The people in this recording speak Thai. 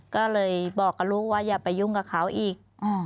ก็เลยบอกกับลูกว่าอย่าไปยุ่งกับเขาอีก